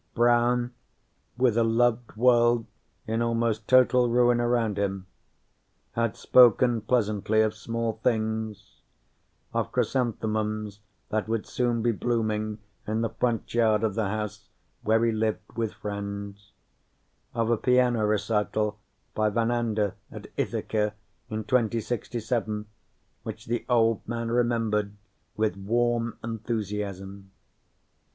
Brown, with a loved world in almost total ruin around him, had spoken pleasantly of small things of chrysanthemums that would soon be blooming in the front yard of the house where he lived with friends, of a piano recital by Van Anda at Ithaca, in 2067, which the old man remembered with warm enthusiasm.